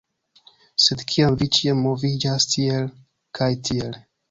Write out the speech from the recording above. Sed kiam vi ĉiam moviĝas tiel kaj tiel